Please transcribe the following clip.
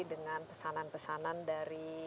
dengan pesanan pesanan dari